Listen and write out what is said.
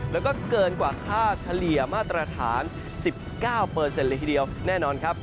แล้วก็เกินกว่าค่าเฉลี่ยมาตรฐาน๑๙เลยทีเดียวแน่นอนครับ